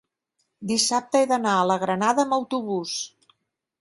dissabte he d'anar a la Granada amb autobús.